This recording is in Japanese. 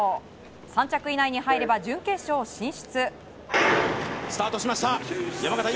３着以内に入れば準決勝進出。